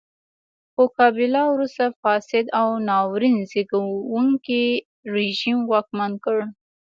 خو کابیلا وروسته فاسد او ناورین زېږوونکی رژیم واکمن کړ.